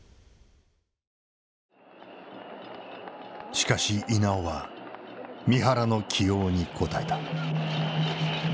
しかし稲尾は三原の起用に応えた。